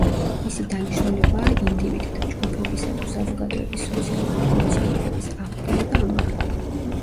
მისი დანიშნულებაა ინდივიდთა, ჯგუფებისა თუ საზოგადოების სოციალური ფუნქციონირების აღდგენა და ამაღლება.